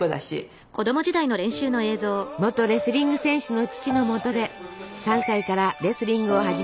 元レスリング選手の父のもとで３歳からレスリングを始めた沙保里さん。